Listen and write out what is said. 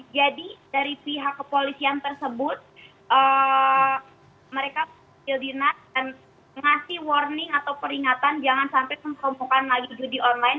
jadi dari pihak kepolisian tersebut mereka pilih dinar dan ngasih warning atau peringatan jangan sampai mempromokkan lagi judi online